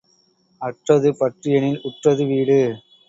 அற்றது பற்று எனில் உற்றது வீடு.